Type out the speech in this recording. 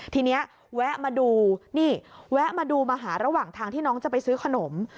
ทีนี้แวะมาดูนี่แวะมาดูมาหาระหว่างทางที่น้องจะไปซื้อขนม